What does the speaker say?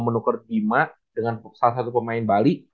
menukar bima dengan salah satu pemain bali